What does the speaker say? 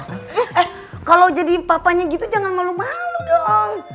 eh kalau jadi papanya gitu jangan malu malu dong